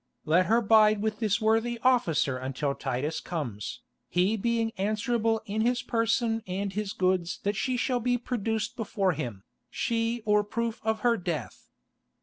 Let her bide with this worthy officer until Titus comes, he being answerable in his person and his goods that she shall then be produced before him, she or proof of her death.